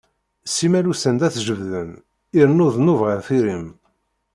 Simmal ussan ad t-jebbden, irennu dnub ɣer tiri-m.